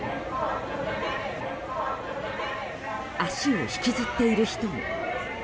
足を引きずっている人も。